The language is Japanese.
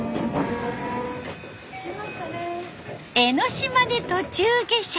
江ノ島で途中下車。